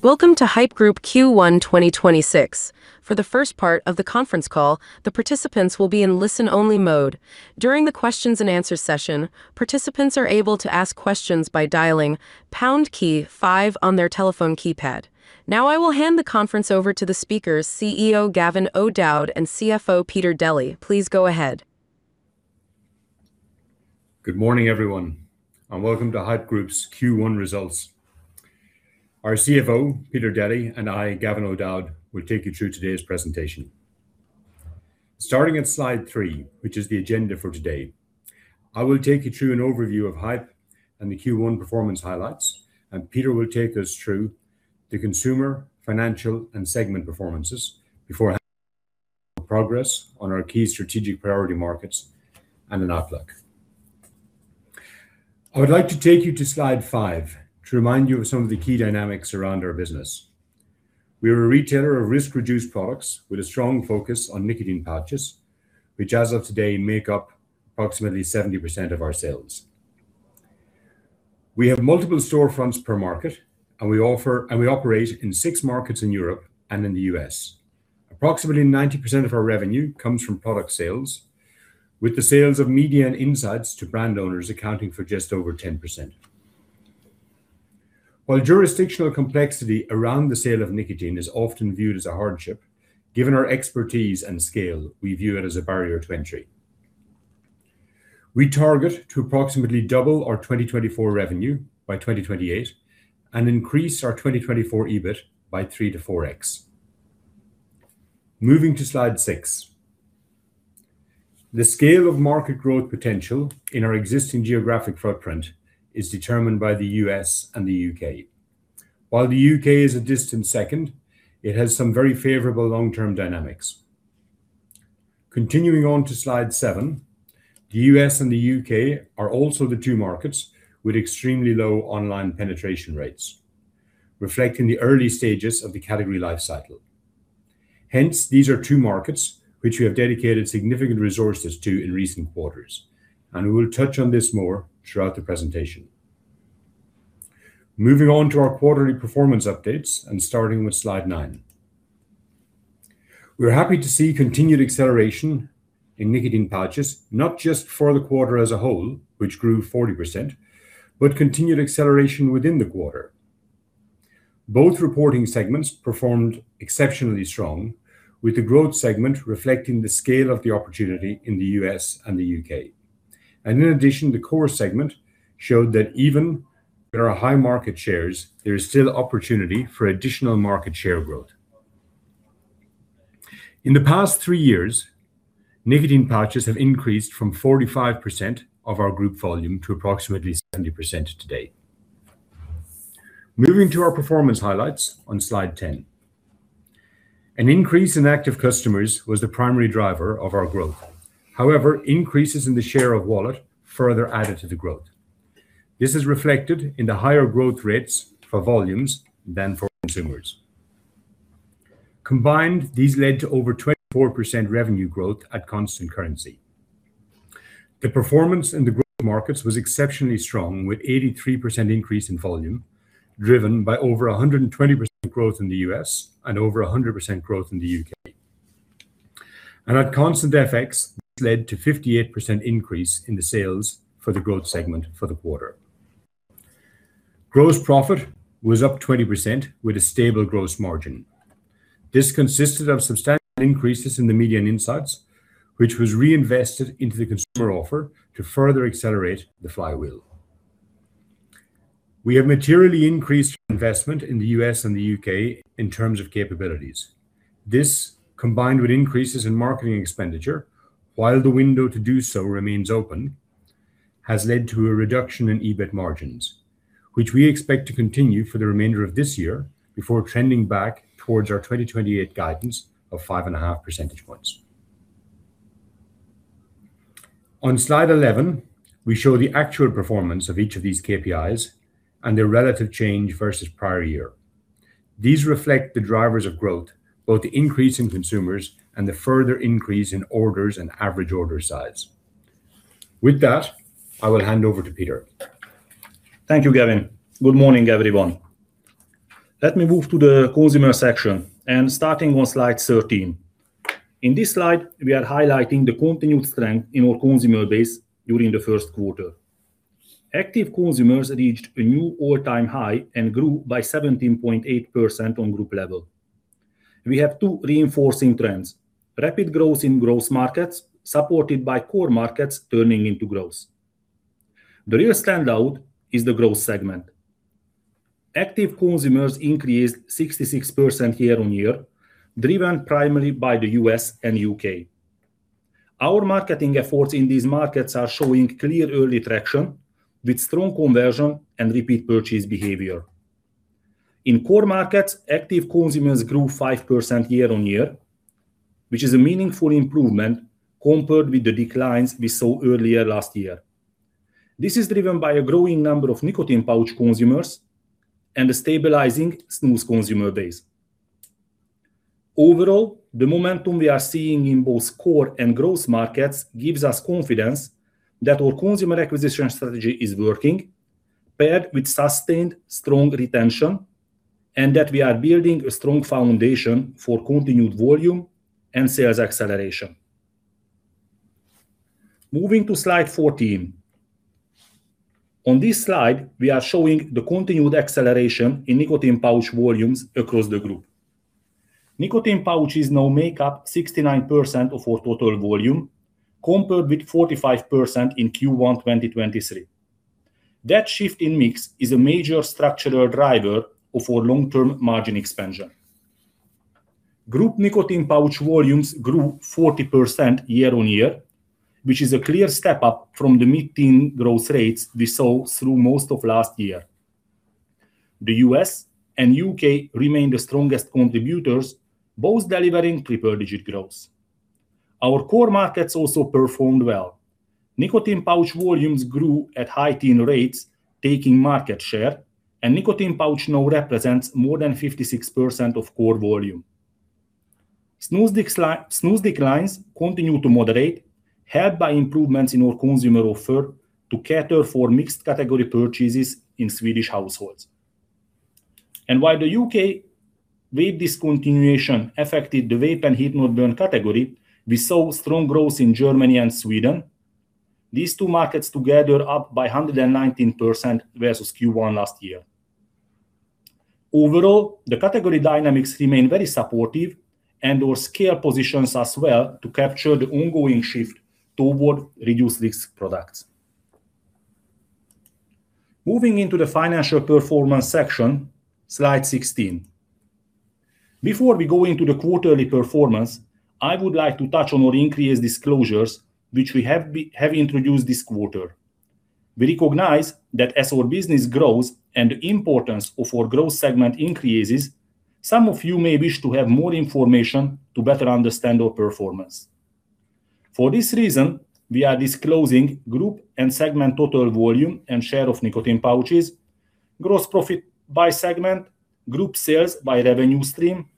Welcome to Haypp Group Q1 2026. For the first part of the conference call, the participants will be in listen-only mode. During the question and answer session participants are able to ask questions by dialing pound-key five on their telephone keypad. Now I will hand the conference over to the speakers, CEO Gavin O'Dowd and CFO Peter Deli. Please go ahead. Good morning, everyone. Welcome to Haypp Group's Q1 results. Our CFO, Peter Deli, and I, Gavin O'Dowd, will take you through today's presentation. Starting at slide three, which is the agenda for today, I will take you through an overview of Haypp and the Q1 performance highlights. Peter will take us through the consumer, financial, and segment performances before progress on our key strategic priority markets and an outlook. I would like to take you to slide five to remind you of some of the key dynamics around our business. We are a retailer of risk-reduced products with a strong focus on nicotine pouches, which as of today, make up approximately 70% of our sales. We have multiple storefronts per market, and we operate in six markets in Europe and in the U.S. Approximately 90% of our revenue comes from product sales, with the sales of media and insights to brand owners accounting for just over 10%. While jurisdictional complexity around the sale of nicotine is often viewed as a hardship, given our expertise and scale, we view it as a barrier to entry. We target to approximately double our 2024 revenue by 2028 and increase our 2024 EBIT by three to 4x. Moving to slide six. The scale of market growth potential in our existing geographic footprint is determined by the U.S. and the U.K. While the U.K. is a distant second, it has some very favorable long-term dynamics. Continuing on to slide seven, the U.S. and the U.K. are also the two markets with extremely low online penetration rates, reflecting the early stages of the category life cycle. Hence, these are two markets which we have dedicated significant resources to in recent quarters, and we will touch on this more throughout the presentation. Moving on to our quarterly performance updates and starting with slide nine. We're happy to see continued acceleration in nicotine pouches, not just for the quarter as a whole, which grew 40%, but continued acceleration within the quarter. Both reporting segments performed exceptionally strong, with the growth segment reflecting the scale of the opportunity in the U.S. and the U.K. In addition, the core segment showed that even where are high market shares, there is still opportunity for additional market share growth. In the past three years, nicotine pouches have increased from 45% of our group volume to approximately 70% today. Moving to our performance highlights on slide 10. An increase in active customers was the primary driver of our growth. However, increases in the share of wallet further added to the growth. This is reflected in the higher growth rates for volumes than for consumers. Combined, these led to over 24% revenue growth at constant currency. The performance in the growth markets was exceptionally strong, with 83% increase in volume, driven by over 120% growth in the U.S. and over 100% growth in the U.K. At constant FX, this led to 58% increase in the sales for the growth segment for the quarter. Gross profit was up 20% with a stable gross margin. This consisted of substantial increases in the media and insights, which was reinvested into the consumer offer to further accelerate the flywheel. We have materially increased investment in the U.S. and the U.K. in terms of capabilities. This, combined with increases in marketing expenditure, while the window to do so remains open, has led to a reduction in EBIT margins, which we expect to continue for the remainder of this year before trending back towards our 2028 guidance of 5.5 percentage points. On slide 11, we show the actual performance of each of these KPIs and their relative change versus prior year. These reflect the drivers of growth, both the increase in consumers and the further increase in orders and average order size. With that, I will hand over to Peter. Thank you, Gavin. Good morning, everyone. Let me move to the consumer section and starting on slide 13. In this slide, we are highlighting the continued strength in our consumer base during the first quarter. Active consumers reached a new all-time high and grew by 17.8% on group level. We have two reinforcing trends, rapid growth in growth markets supported by core markets turning into growth. The real standout is the growth segment. Active consumers increased 66% year on year, driven primarily by the U.S. and U.K. Our marketing efforts in these markets are showing clear early traction with strong conversion and repeat purchase behavior. In core markets, active consumers grew 5% year on year, which is a meaningful improvement compared with the declines we saw earlier last year. This is driven by a growing number of nicotine pouch consumers and a stabilizing snus consumer base. The momentum we are seeing in both core and growth markets gives us confidence that our consumer acquisition strategy is working, paired with sustained strong retention, and that we are building a strong foundation for continued volume and sales acceleration. Moving to slide 14. On this slide, we are showing the continued acceleration in nicotine pouch volumes across the Group. Nicotine pouches now make up 69% of our total volume, compared with 45% in Q1 2023. That shift in mix is a major structural driver of our long-term margin expansion. Group nicotine pouch volumes grew 40% year-on-year, which is a clear step up from the mid-teen growth rates we saw through most of last year. The U.S. and U.K. remain the strongest contributors, both delivering triple-digit growth. Our core markets also performed well. Nicotine pouch volumes grew at high-teen rates, taking market share, and nicotine pouch now represents more than 56% of core volume. Snus declines continue to moderate, helped by improvements in our consumer offer to cater for mixed category purchases in Swedish households. While the U.K. vape discontinuation affected the vape and heated tobacco category, we saw strong growth in Germany and Sweden. These two markets together up by 119% versus Q1 last year. Overall, the category dynamics remain very supportive and our scale positions as well to capture the ongoing shift toward reduced-risk products. Moving into the financial performance section, slide 16. Before we go into the quarterly performance, I would like to touch on our increased disclosures, which we have introduced this quarter. We recognize that as our business grows and the importance of our growth segment increases, some of you may wish to have more information to better understand our performance. For this reason, we are disclosing group and segment total volume and share of nicotine pouches, gross profit by segment, group sales by revenue stream,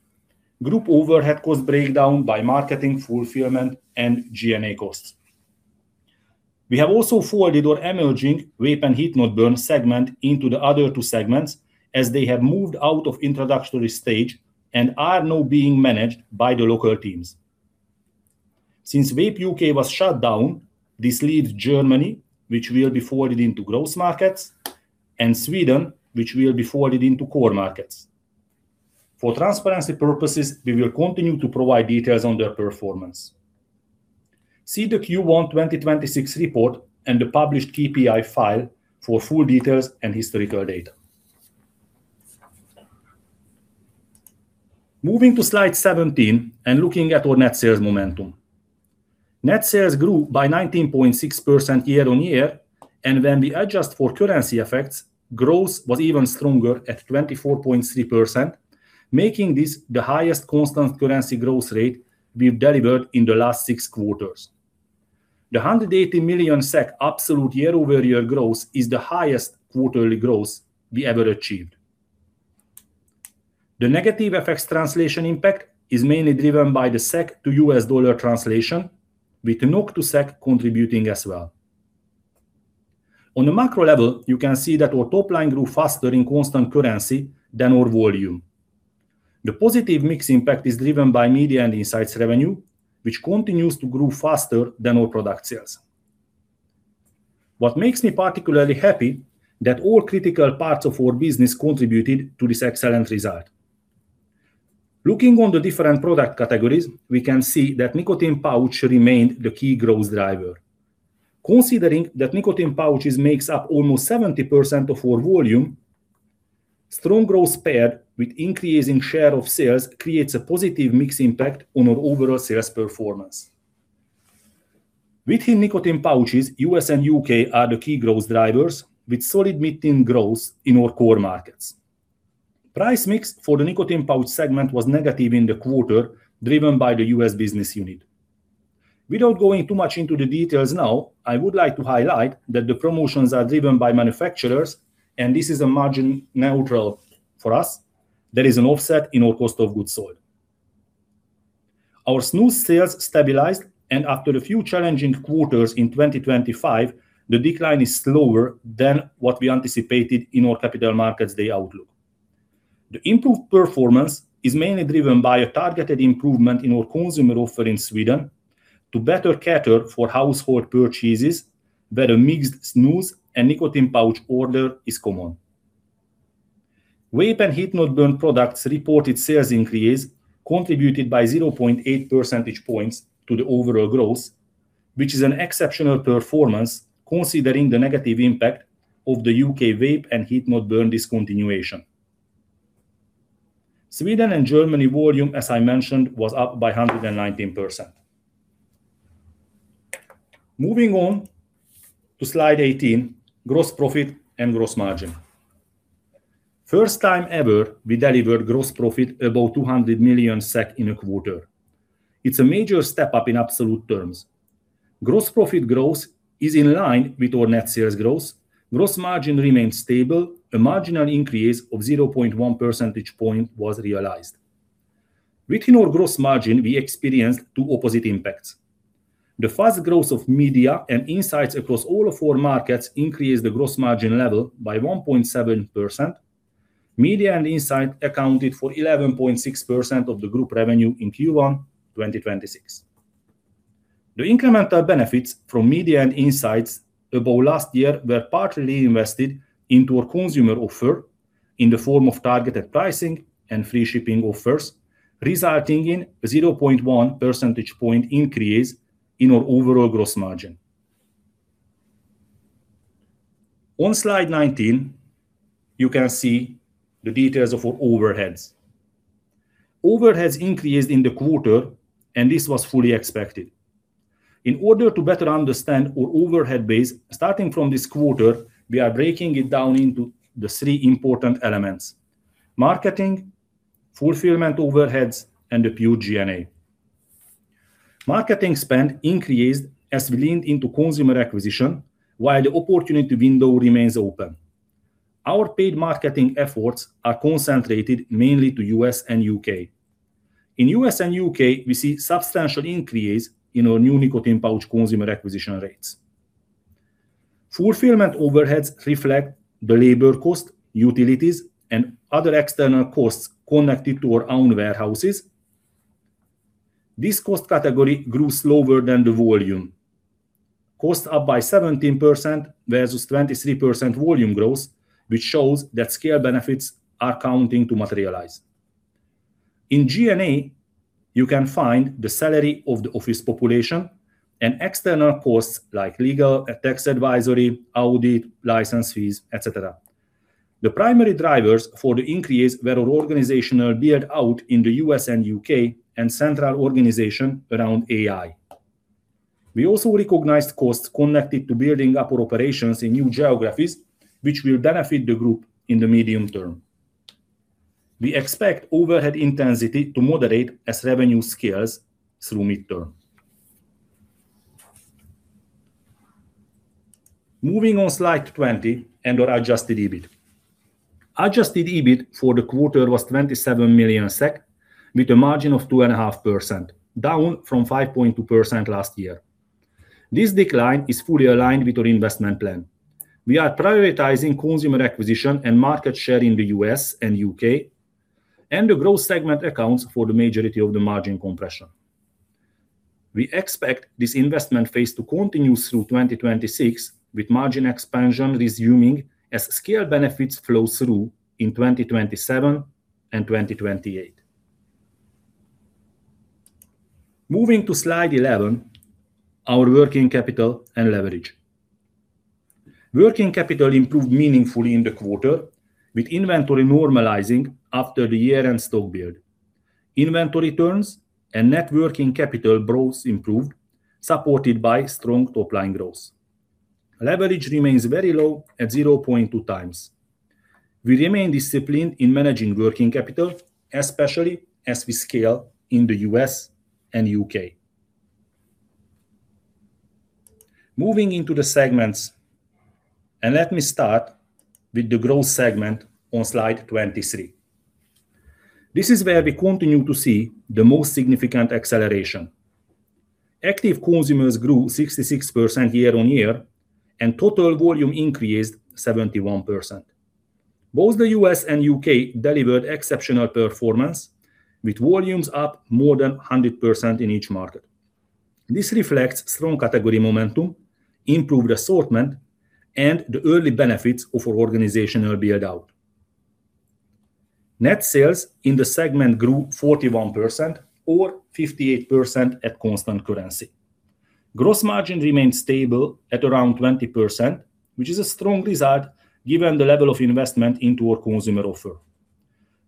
group overhead cost breakdown by marketing, fulfillment, and G&A costs. We have also folded our emerging vape and heat-not-burn segment into the other two segments as they have moved out of introductory stage and are now being managed by the local teams. Since Vape UK was shut down, this leaves Germany, which will be folded into growth markets, and Sweden, which will be folded into core markets. For transparency purposes, we will continue to provide details on their performance. See the Q1 2026 report and the published KPI file for full details and historical data. Moving to Slide 17 and looking at our net sales momentum. Net sales grew by 19.6% year-on-year, and when we adjust for currency effects, growth was even stronger at 24.3%, making this the highest constant currency growth rate we've delivered in the last six quarters. The 180 million SEK absolute year-over-year growth is the highest quarterly growth we ever achieved. The negative FX translation impact is mainly driven by the SEK to U.S. dollar translation, with NOK to SEK contributing as well. On a macro level, you can see that our top line grew faster in constant currency than our volume. The positive mix impact is driven by media and insights revenue, which continues to grow faster than our product sales. What makes me particularly happy that all critical parts of our business contributed to this excellent result. Looking on the different product categories, we can see that nicotine pouch remained the key growth driver. Considering that nicotine pouches makes up almost 70% of our volume, strong growth paired with increasing share of sales creates a positive mix impact on our overall sales performance. Within nicotine pouches, U.S. and U.K. are the key growth drivers with solid mid-teen growth in our core markets. Price mix for the nicotine pouch segment was negative in the quarter, driven by the U.S. business unit. Without going too much into the details now, I would like to highlight that the promotions are driven by manufacturers, and this is a margin neutral for us. There is an offset in our cost of goods sold. Our snus sales stabilized, and after a few challenging quarters in 2025, the decline is slower than what we anticipated in our capital markets day outlook. The improved performance is mainly driven by a targeted improvement in our consumer offer in Sweden to better cater for household purchases where a mixed snus and nicotine pouch order is common. Vape and heat-not-burn products reported sales increase contributed by 0.8 percentage points to the overall growth, which is an exceptional performance considering the negative impact of the U.K. Vape and heat-not-burn discontinuation. Sweden and Germany volume, as I mentioned, was up by 119%. Moving on to slide 18, gross profit and gross margin. First time ever, we delivered gross profit above 200 million SEK in a quarter. It's a major step up in absolute terms. Gross profit growth is in line with our net sales growth. Gross margin remains stable. A marginal increase of 0.1 percentage point was realized. Within our gross margin, we experienced two opposite impacts. The fast growth of media and insights across all of our markets increased the gross margin level by 1.7%. Media and insights accounted for 11.6% of the group revenue in Q1 2026. The incremental benefits from media and insights above last year were partly invested into our consumer offer in the form of targeted pricing and free shipping offers, resulting in a 0.1 percentage point increase in our overall gross margin. On slide 19, you can see the details of our overheads. Overheads increased in the quarter, and this was fully expected. In order to better understand our overhead base, starting from this quarter, we are breaking it down into the three important elements: Marketing, Fulfillment overheads, and the Pure G&A. Marketing spend increased as we leaned into consumer acquisition while the opportunity window remains open. Our paid marketing efforts are concentrated mainly to U.S. and U.K. In U.S. and U.K., we see substantial increase in our new nicotine pouch consumer acquisition rates. Fulfillment overheads reflect the labor cost, utilities, and other external costs connected to our own warehouses. This cost category grew slower than the volume. Cost up by 17% versus 23% volume growth, which shows that scale benefits are counting to materialize. In G&A, you can find the salary of the office population and external costs like legal, tax advisory, audit, license fees, et cetera. The primary drivers for the increase were our organizational build-out in the U.S. and U.K. and central organization around AI. We also recognized costs connected to building up our operations in new geographies, which will benefit the group in the medium term. We expect overhead intensity to moderate as revenue scales through midterm. Moving on slide 20 and our adjusted EBIT. Adjusted EBIT for the quarter was 27 million SEK with a margin of 2.5%, down from 5.2% last year. This decline is fully aligned with our investment plan. We are prioritizing consumer acquisition and market share in the U.S. and U.K., and the growth segment accounts for the majority of the margin compression. We expect this investment phase to continue through 2026, with margin expansion resuming as scale benefits flow through in 2027 and 2028. Moving to slide 11, our working capital and leverage. Working capital improved meaningfully in the quarter, with inventory normalizing after the year-end stock build. Inventory turns and net working capital growth improved, supported by strong top-line growth. Leverage remains very low at 0.2 times. We remain disciplined in managing working capital, especially as we scale in the U.S. and U.K. Moving into the segments, let me start with the growth segment on slide 23. This is where we continue to see the most significant acceleration. Active consumers grew 66% year-over-year, and total volume increased 71%. Both the U.S. and U.K. delivered exceptional performance, with volumes up more than 100% in each market. This reflects strong category momentum, improved assortment, and the early benefits of our organizational build-out. Net sales in the segment grew 41% or 58% at constant currency. Gross margin remains stable at around 20%, which is a strong result given the level of investment into our consumer offer.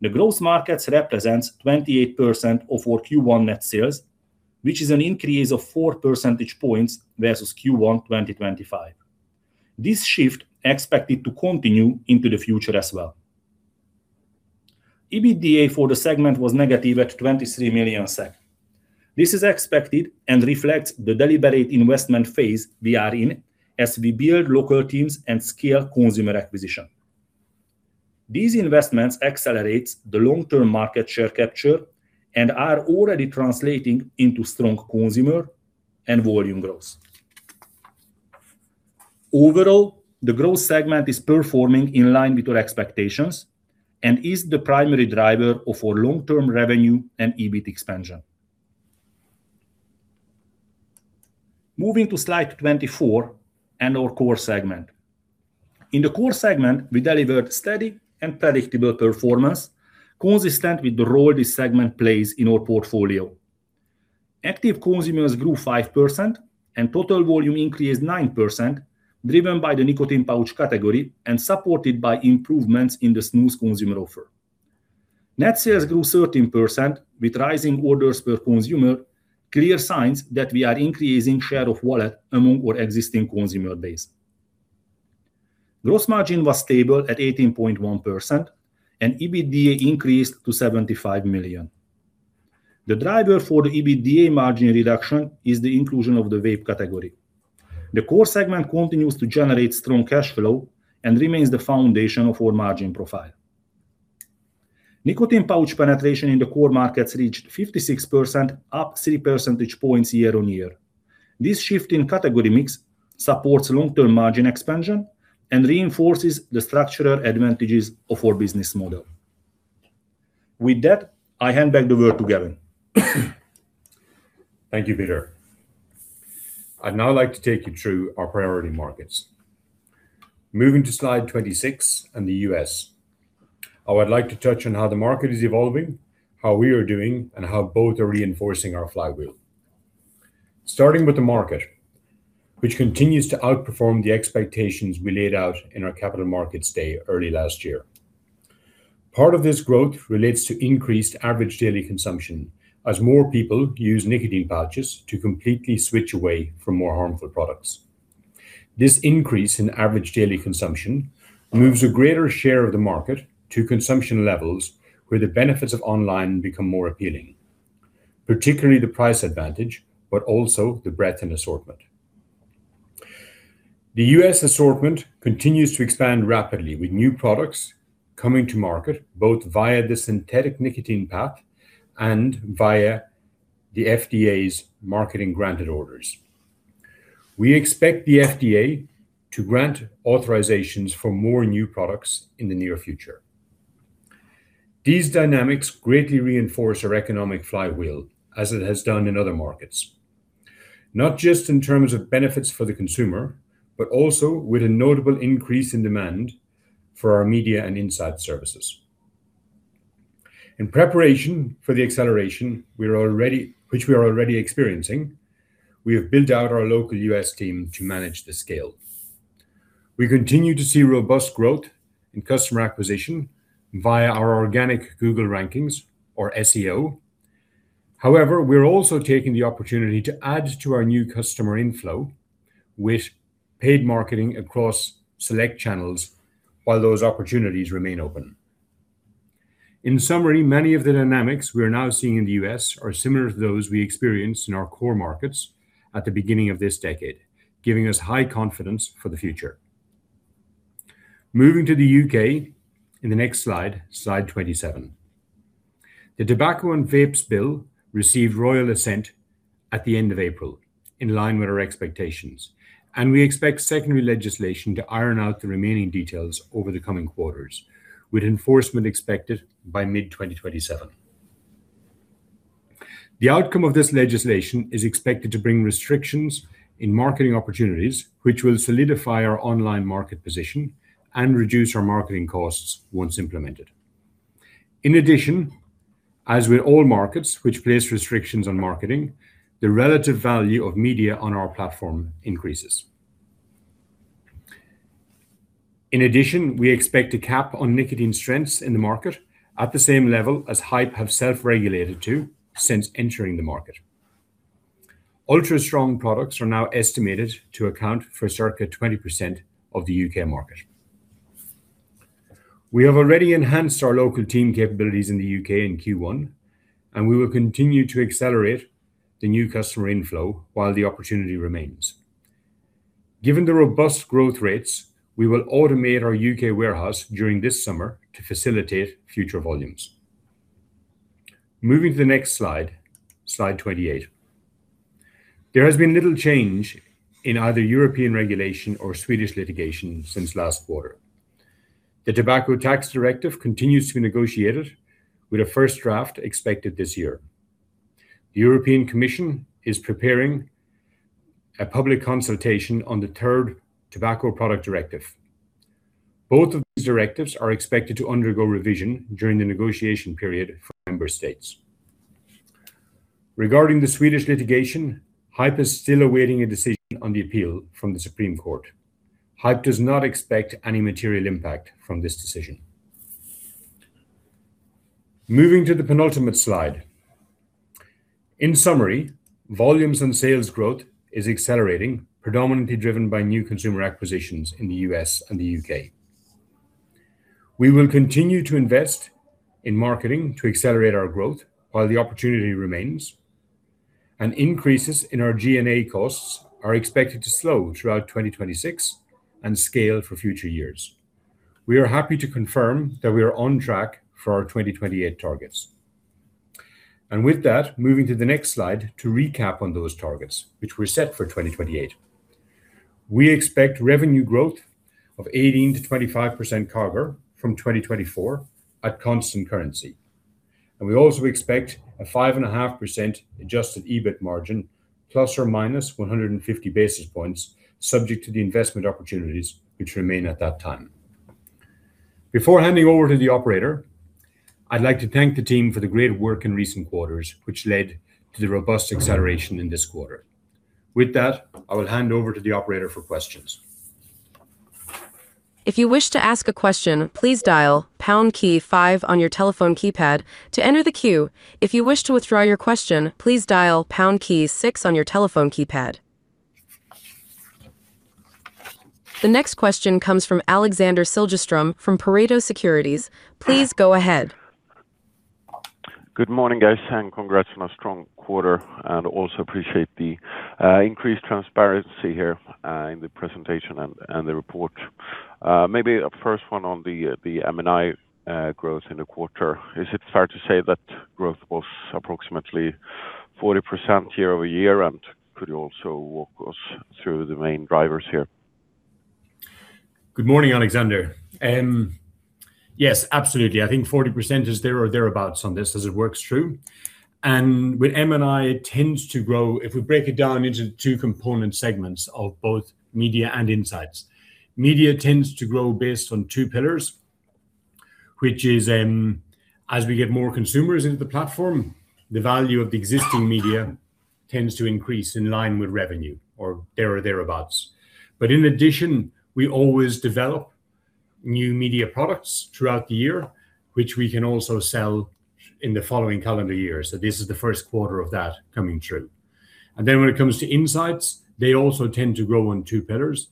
The growth markets represents 28% of our Q1 net sales, which is an increase of four percentage points versus Q1 2025. This shift expected to continue into the future as well. EBITDA for the segment was negative at 23 million SEK. This is expected and reflects the deliberate investment phase we are in as we build local teams and scale consumer acquisition. These investments accelerates the long-term market share capture and are already translating into strong consumer and volume growth. Overall, the growth segment is performing in line with our expectations and is the primary driver of our long-term revenue and EBIT expansion. Moving to slide 24 and our core segment. In the core segment, we delivered steady and predictable performance consistent with the role this segment plays in our portfolio. Active consumers grew 5% and total volume increased 9%, driven by the nicotine pouch category and supported by improvements in the smooth consumer offer. Net sales grew 13% with rising orders per consumer, clear signs that we are increasing share of wallet among our existing consumer base. Gross margin was stable at 18.1% and EBITDA increased to 75 million. The driver for the EBITDA margin reduction is the inclusion of the vape category. The core segment continues to generate strong cash flow and remains the foundation of our margin profile. Nicotine pouch penetration in the core markets reached 56%, up three percentage points year-on-year. This shift in category mix supports long-term margin expansion and reinforces the structural advantages of our business model. With that, I hand back over to Gavin. Thank you, Peter. I'd now like to take you through our priority markets. Moving to slide 26 and the U.S. I would like to touch on how the market is evolving, how we are doing, and how both are reinforcing our flywheel. Starting with the market, which continues to outperform the expectations we laid out in our capital markets day early last year. Part of this growth relates to increased average daily consumption, as more people use nicotine pouches to completely switch away from more harmful products. This increase in average daily consumption moves a greater share of the market to consumption levels where the benefits of online become more appealing, particularly the price advantage, but also the breadth and assortment. The U.S. assortment continues to expand rapidly with new products coming to market, both via the synthetic nicotine path and via the FDA's marketing granted orders. We expect the FDA to grant authorizations for more new products in the near future. These dynamics greatly reinforce our economic flywheel as it has done in other markets, not just in terms of benefits for the consumer, but also with a notable increase in demand for our media and insights services. In preparation for the acceleration, which we are already experiencing, we have built out our local U.S. team to manage the scale. We continue to see robust growth in customer acquisition via our organic Google rankings or SEO. However, we are also taking the opportunity to add to our new customer inflow with paid marketing across select channels while those opportunities remain open. In summary, many of the dynamics we are now seeing in the U.S. are similar to those we experienced in our core markets at the beginning of this decade, giving us high confidence for the future. Moving to the U.K. in the next slide 27. The Tobacco and Vapes Act 2026 received royal assent at the end of April, in line with our expectations, and we expect secondary legislation to iron out the remaining details over the coming quarters, with enforcement expected by mid-2027. The outcome of this legislation is expected to bring restrictions in marketing opportunities, which will solidify our online market position and reduce our marketing costs once implemented. In addition, as with all markets which place restrictions on marketing, the relative value of media on our platform increases. In addition, we expect a cap on nicotine strengths in the market at the same level as Haypp have self-regulated to since entering the market. Ultra strong products are now estimated to account for circa 20% of the U.K. market. We have already enhanced our local team capabilities in the U.K. in Q1. We will continue to accelerate the new customer inflow while the opportunity remains. Given the robust growth rates, we will automate our U.K. warehouse during this summer to facilitate future volumes. Moving to the next slide, slide 28. There has been little change in either European regulation or Swedish litigation since last quarter. The Tobacco Taxation Directive continues to be negotiated with a first draft expected this year. The European Commission is preparing a public consultation on the third Tobacco Products Directive. Both of these directives are expected to undergo revision during the negotiation period for member states. Regarding the Swedish litigation, Haypp is still awaiting a decision on the appeal from the Supreme Court. Haypp does not expect any material impact from this decision. Moving to the penultimate slide. In summary, volumes and sales growth is accelerating, predominantly driven by new consumer acquisitions in the U.S. and the U.K. We will continue to invest in marketing to accelerate our growth while the opportunity remains, and increases in our G&A costs are expected to slow throughout 2026 and scale for future years. We are happy to confirm that we are on track for our 2028 targets. With that, moving to the next slide to recap on those targets, which were set for 2028. We expect revenue growth of 18% to 25% CAGR from 2024 at constant currency. We also expect a 5.5% adjusted EBIT margin, ±150 basis points, subject to the investment opportunities which remain at that time. Before handing over to the operator, I'd like to thank the team for the great work in recent quarters, which led to the robust acceleration in this quarter. With that, I will hand over to the operator for questions. If you wish to ask a question please dial pound key five on you telephone keypad to enter the queue. If you wish to withdraw your question, please dial pound key six on your telephone keypad. The next question comes from Alexander Siljeström from Pareto Securities. Please go ahead. Good morning, guys. Congrats on a strong quarter. Also appreciate the increased transparency here in the presentation and the report. Maybe a first one on the M&I growth in the quarter. Is it fair to say that growth was approximately 40% year-over-year, and could you also walk us through the main drivers here? Good morning, Alexander. Yes, absolutely. I think 40% is there or thereabouts on this as it works through. With M&I, it tends to grow if we break it down into two component segments of both media and insights. Media tends to grow based on two pillars, which is, as we get more consumers into the platform, the value of the existing media tends to increase in line with revenue or there or thereabouts. In addition, we always develop new media products throughout the year, which we can also sell in the following calendar year. This is the first quarter of that coming through. When it comes to insights, they also tend to grow on two pillars.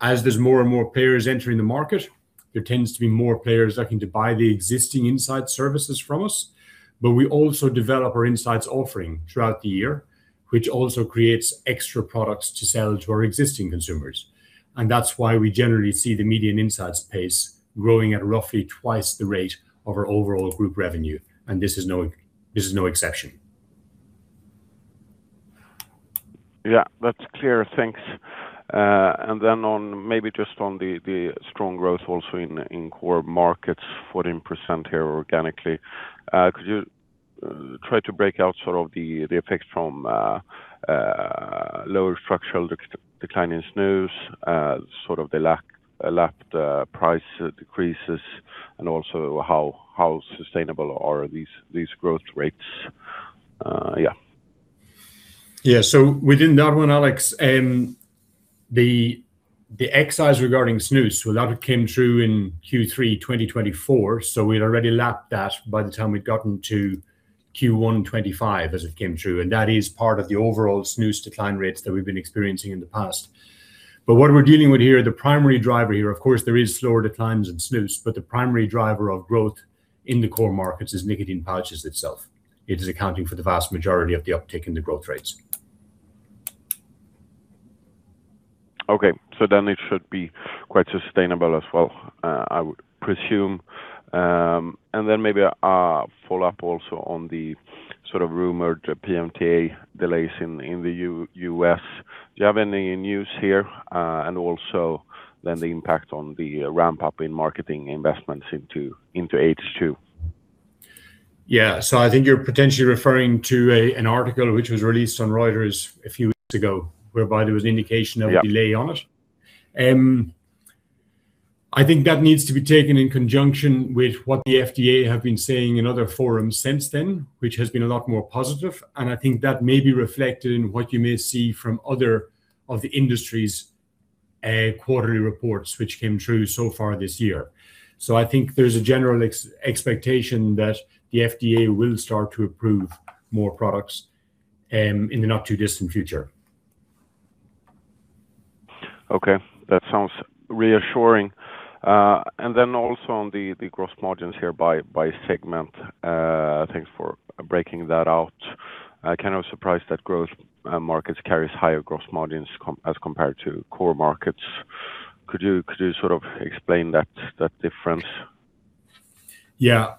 As there's more and more players entering the market, there tends to be more players looking to buy the existing insight services from us. We also develop our insights offering throughout the year, which also creates extra products to sell to our existing consumers. That's why we generally see the Media and Insights pace growing at roughly twice the rate of our overall Haypp Group revenue, and this is no exception. Yeah. That's clear. Thanks. Maybe just on the strong growth also in core markets, 14% here organically. Could you try to break out sort of the effects from lower structural decline in snus, sort of the lapped price decreases and also how sustainable are these growth rates? Yeah. Yeah. Within that one, Alex, and the excise regarding snus, a lot of it came through in Q3 2024, we had already lapped that by the time we had gotten to Q1 2025 as it came through. That is part of the overall snus decline rates that we have been experiencing in the past. What we are dealing with here, the primary driver here, of course, there is slower declines in snus, but the primary driver of growth in the core markets is nicotine pouches itself. It is accounting for the vast majority of the uptick in the growth rates. Okay. It should be quite sustainable as well, I would presume. Maybe a follow-up also on the sort of rumored PMTA delays in the U.S. Do you have any news here, and also then the impact on the ramp-up in marketing investments into 2022? Yeah. I think you're potentially referring to an article which was released on Reuters a few weeks ago, whereby there was indication. Yeah A delay on it. I think that needs to be taken in conjunction with what the FDA have been saying in other forums since then, which has been a lot more positive, and I think that may be reflected in what you may see from other of the industry's quarterly reports which came through so far this year. I think there's a general expectation that the FDA will start to approve more products in the not too distant future. Okay. That sounds reassuring. Also on the gross margins here by segment, thanks for breaking that out. I'm kind of surprised that growth markets carries higher gross margins as compared to core markets. Could you sort of explain that difference? Yeah.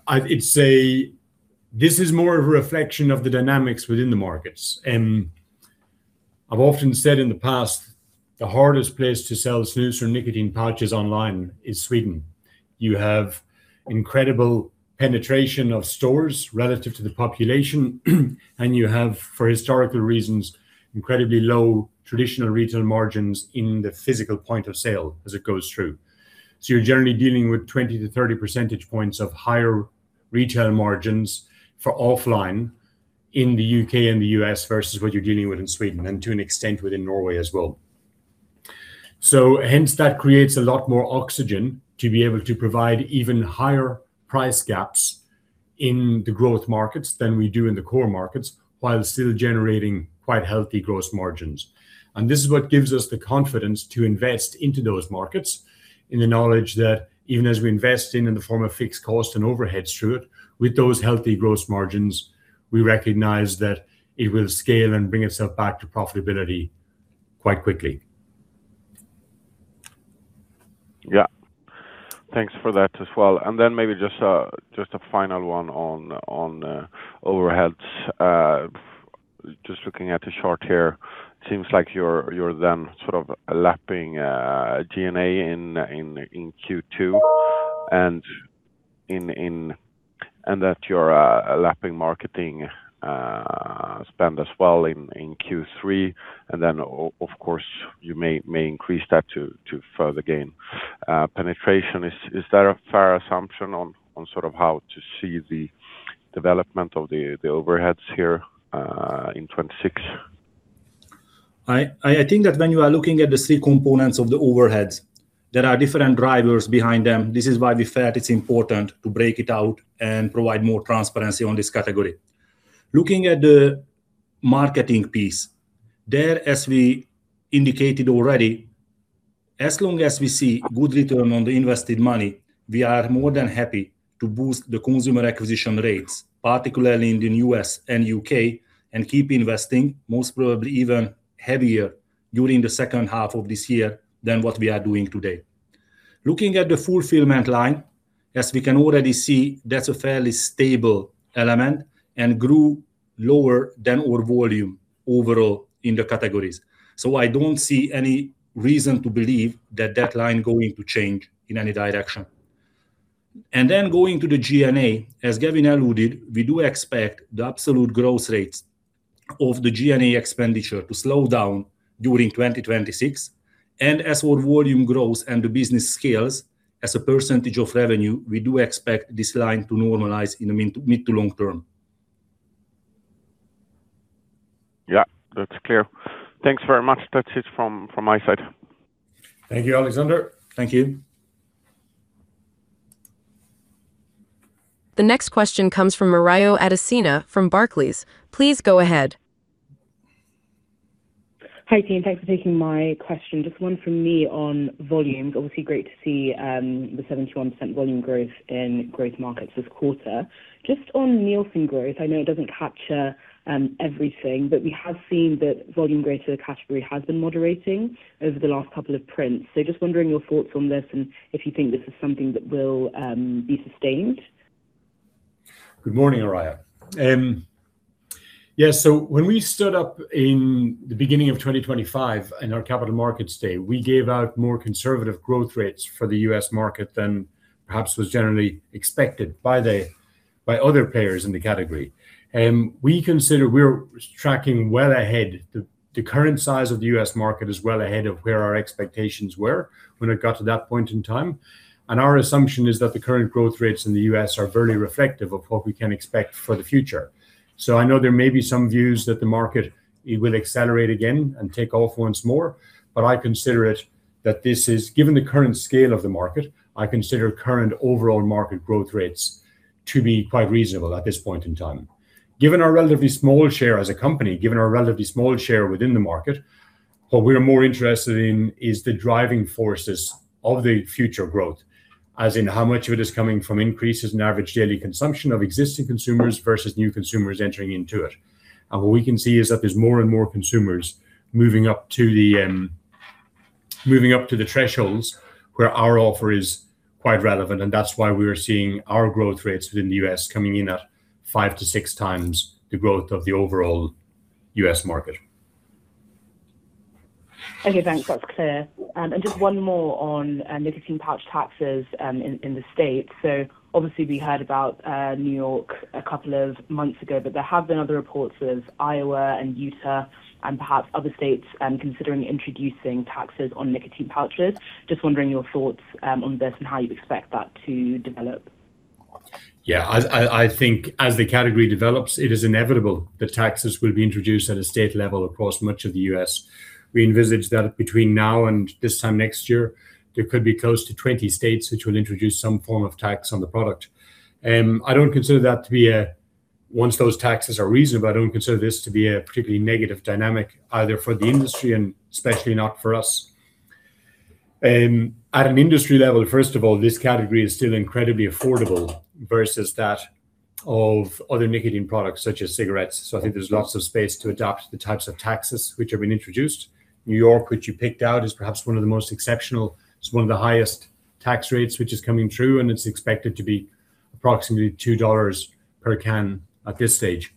This is more of a reflection of the dynamics within the markets. I've often said in the past, the hardest place to sell snus or nicotine pouches online is Sweden. You have incredible penetration of stores relative to the population, and you have, for historical reasons, incredibly low traditional retail margins in the physical point of sale as it goes through. You're generally dealing with 20 to 30 percentage points of higher retail margins for offline in the U.K. and the U.S. versus what you're dealing with in Sweden and to an extent within Norway as well. Hence, that creates a lot more oxygen to be able to provide even higher price gaps in the growth markets than we do in the core markets, while still generating quite healthy gross margins. This is what gives us the confidence to invest into those markets in the knowledge that even as we invest in the form of fixed cost and overheads through it, with those healthy gross margins, we recognize that it will scale and bring itself back to profitability quite quickly. Yeah. Thanks for that as well. Then maybe just a final one on overheads. Just looking at the chart here, it seems like you're then sort of lapping G&A in Q2 and that you're lapping marketing spend as well in Q3. Then, of course, you may increase that to further gain penetration. Is that a fair assumption on sort of how to see the development of the overheads here in 2026? I think that when you are looking at the three components of the overheads, there are different drivers behind them. This is why we felt it's important to break it out and provide more transparency on this category. Looking at the marketing piece, there, as we indicated already, as long as we see good return on the invested money, we are more than happy to boost the consumer acquisition rates, particularly in the U.S. and U.K., and keep investing, most probably even heavier during the second half of this year than what we are doing today. Looking at the fulfillment line, as we can already see, that's a fairly stable element and grew lower than our volume overall in the categories. I don't see any reason to believe that that line going to change in any direction. Going to the G&A, as Gavin alluded, we do expect the absolute growth rates of the G&A expenditure to slow down during 2026. As our volume grows and the business scales as a percentage of revenue, we do expect this line to normalize in the mid to long term. Yeah, that's clear. Thanks very much. That's it from my side. Thank you, Alexander. Thank you. The next question comes from Morayo Adesina from Barclays. Please go ahead. Hi, team. Thanks for taking my question. Just one from me on volumes. Obviously, great to see the 71% volume growth in growth markets this quarter. Just on Nielsen growth, I know it doesn't capture everything, but we have seen that volume growth to the category has been moderating over the last couple of prints. Just wondering your thoughts on this and if you think this is something that will be sustained. Good morning, Morayo. Yeah, when we stood up in the beginning of 2025 in our capital markets day, we gave out more conservative growth rates for the U.S. market than perhaps was generally expected by other players in the category. We consider we're tracking well ahead. The current size of the U.S. market is well ahead of where our expectations were when it got to that point in time, our assumption is that the current growth rates in the U.S. are very reflective of what we can expect for the future. I know there may be some views that the market will accelerate again and take off once more, given the current scale of the market, I consider current overall market growth rates to be quite reasonable at this point in time. Given our relatively small share as a company, given our relatively small share within the market, what we're more interested in is the driving forces of the future growth, as in how much of it is coming from increases in average daily consumption of existing consumers versus new consumers entering into it. What we can see is that there's more and more consumers moving up to the thresholds where our offer is quite relevant, and that's why we're seeing our growth rates within the U.S. coming in at five to six times the growth of the overall U.S. market. Okay, thanks. That's clear. Just one more on nicotine pouch taxes in the U.S. Obviously we heard about New York a couple of months ago, but there have been other reports of Iowa and Utah and perhaps other states considering introducing taxes on nicotine pouches. Just wondering your thoughts on this and how you expect that to develop. I think as the category develops, it is inevitable that taxes will be introduced at a state level across much of the U.S. We envisage that between now and this time next year, there could be close to 20 states which will introduce some form of tax on the product. Once those taxes are reasonable, I don't consider this to be a particularly negative dynamic either for the industry and especially not for us. At an industry level, first of all, this category is still incredibly affordable versus that of other nicotine products such as cigarettes. I think there's lots of space to adapt the types of taxes which have been introduced. New York, which you picked out, is perhaps one of the most exceptional. It's one of the highest tax rates which is coming through, and it's expected to be approximately $2 per can at this stage.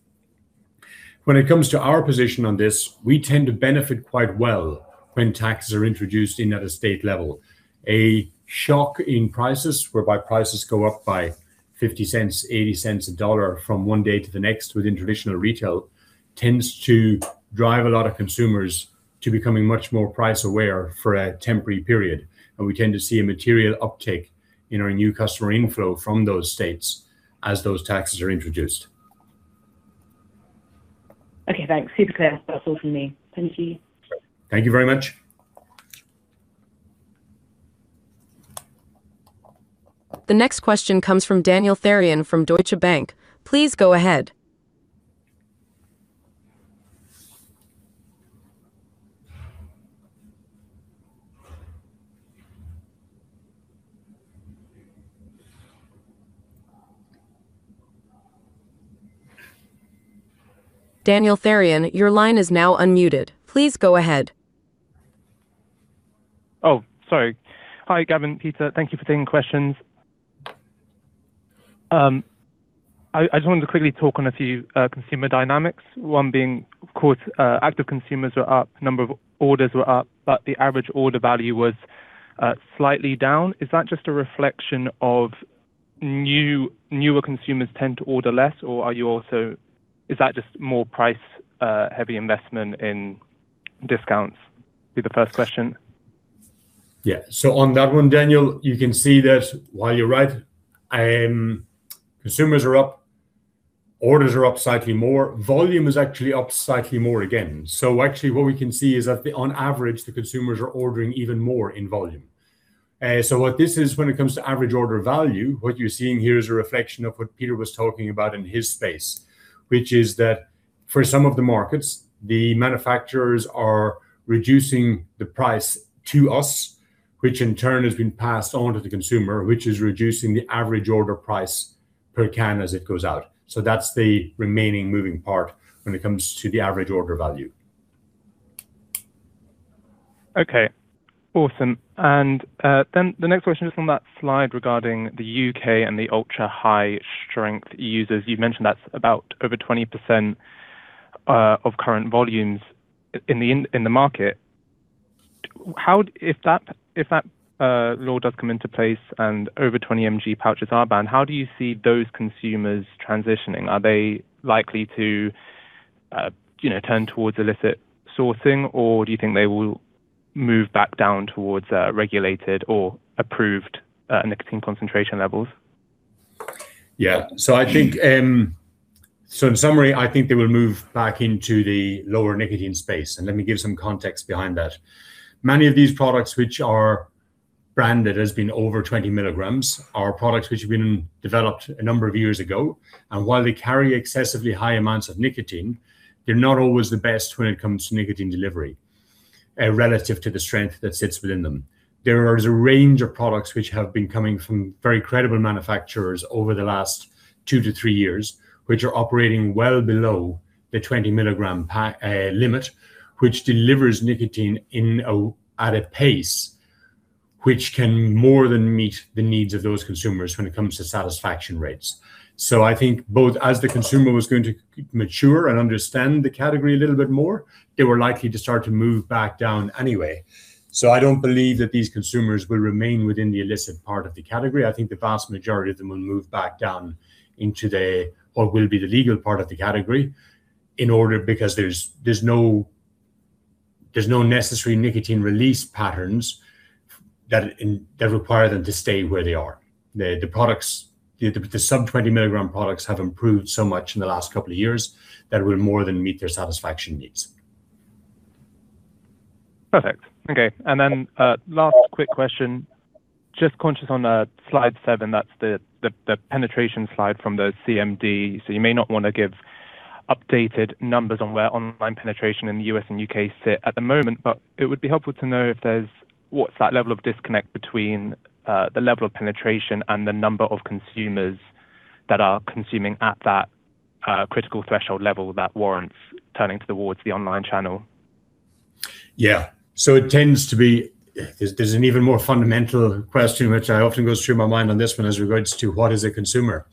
When it comes to our position on this, we tend to benefit quite well when taxes are introduced in at a state level. A shock in prices whereby prices go up by $0.50, $0.80, $1 from one day to the next within traditional retail tends to drive a lot of consumers to becoming much more price aware for a temporary period, and we tend to see a material uptick in our new customer inflow from those states as those taxes are introduced. Okay, thanks. Super clear. That's all from me. Thank you. Thank you very much. The next question comes from Daniel Tharian from Deutsche Bank. Please go ahead. Daniel Tharian, your line is now unmuted. Please go ahead. Hi, Gavin, Peter. Thank you for taking questions. I just wanted to quickly talk on a few consumer dynamics. One being, of course, active consumers were up, number of orders were up, but the average order value was slightly down. Is that just a reflection of newer consumers tend to order less, or is that just more price, heavy investment in discounts? Be the first question. Yeah. On that one, Daniel, you can see that while you're right, consumers are up, orders are up slightly more. Volume is actually up slightly more again. Actually, what we can see is that on average, the consumers are ordering even more in volume. What this is when it comes to average order value, what you're seeing here is a reflection of what Peter was talking about in his space, which is that for some of the markets, the manufacturers are reducing the price to us, which in turn has been passed on to the consumer, which is reducing the average order price per can as it goes out. That's the remaining moving part when it comes to the average order value. Okay. Awesome. Then the next question is from that slide regarding the U.K. and the ultra-high strength users. You've mentioned that's about over 20% of current volumes in the market. If that law does come into place and over 20mg pouches are banned, how do you see those consumers transitioning? Are they likely to, you know, turn towards illicit sourcing, or do you think they will move back down towards regulated or approved nicotine concentration levels? Yeah. In summary, I think they will move back into the lower nicotine space, and let me give some context behind that. Many of these products which are branded as being over 20mg are products which have been developed a number of years ago. While they carry excessively high amounts of nicotine, they're not always the best when it comes to nicotine delivery, relative to the strength that sits within them. There is a range of products which have been coming from very credible manufacturers over the last two to three years, which are operating well below the 20mg pack limit, which delivers nicotine in a, at a pace which can more than meet the needs of those consumers when it comes to satisfaction rates. I think both as the consumer was going to mature and understand the category a little bit more, they were likely to start to move back down anyway. I don't believe that these consumers will remain within the illicit part of the category. I think the vast majority of them will move back down into the, or will be the legal part of the category in order because there's no necessary nicotine release patterns that require them to stay where they are. The products, the sub-20mg products have improved so much in the last couple of years that it will more than meet their satisfaction needs. Perfect. Okay. Last quick question. Just conscious on slide seven, that's the penetration slide from the CMD. You may not wanna give updated numbers on where online penetration in the U.S. and U.K. sit at the moment, but it would be helpful to know what's that level of disconnect between the level of penetration and the number of consumers that are consuming at that critical threshold level that warrants turning towards the online channel. Yeah. It tends to be, there's an even more fundamental question, which I often goes through my mind on this one, as regards to what is a consumer.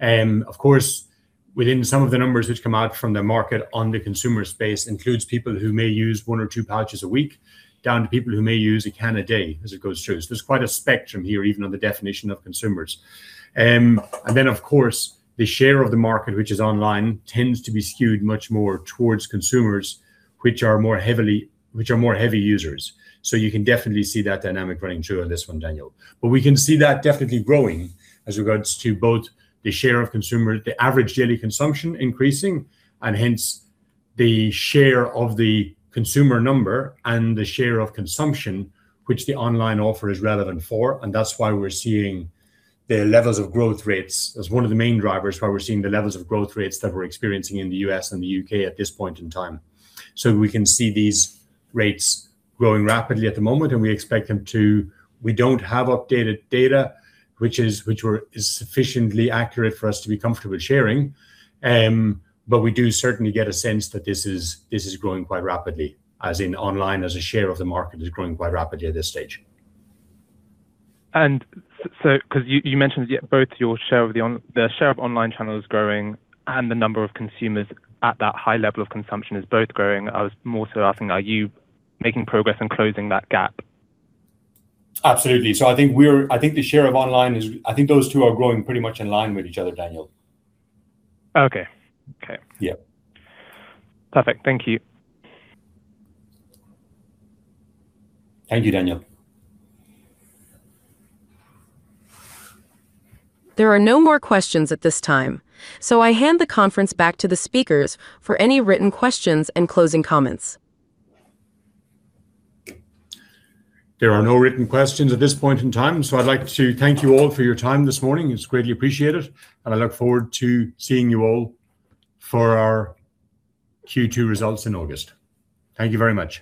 Of course, within some of the numbers which come out from the market on the consumer space includes people who may use one or two pouches a week, down to people who may use one can a day as it goes through. There's quite a spectrum here, even on the definition of consumers. Of course, the share of the market which is online tends to be skewed much more towards consumers, which are more heavy users. You can definitely see that dynamic running through on this one, Daniel. We can see that definitely growing as regards to both the share of consumer, the average daily consumption increasing, and hence the share of the consumer number and the share of consumption which the online offer is relevant for, and that's why we're seeing the levels of growth rates as one of the main drivers, why we're seeing the levels of growth rates that we're experiencing in the U.S. and the U.K. at this point in time. We can see these rates growing rapidly at the moment, and we don't have updated data which is sufficiently accurate for us to be comfortable sharing. We do certainly get a sense that this is growing quite rapidly, as in online as a share of the market is growing quite rapidly at this stage. You mentioned, yeah, both your share of the share of online channel is growing and the number of consumers at that high level of consumption is both growing. I was more so asking, are you making progress in closing that gap? Absolutely. I think the share of online is, I think those two are growing pretty much in line with each other, Daniel. Okay. Okay. Yeah. Perfect. Thank you. Thank you, Daniel. There are no more questions at this time, so I hand the conference back to the speakers for any written questions and closing comments. There are no written questions at this point in time, so I'd like to thank you all for your time this morning. It's greatly appreciated, and I look forward to seeing you all for our Q2 results in August. Thank you very much.